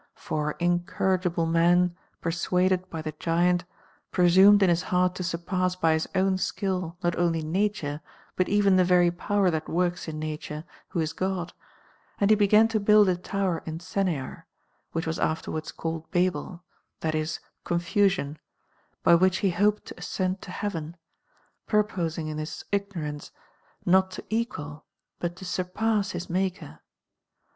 For incorrigible man, persuaded by tl.c giant, VII, THE FIRST BOOK 19 presumed In his heart to surpass by his own skill How not only nature, but even tiic very power that Babel _ works in nature, who is God ; and he began to build a tower in Sennear, which was afterwards [303 called Babel, that is, confusion, by which he ho])cd to ascend to heaven ; purposing in his ipnorance, not to equal, but to surpass liis Maker.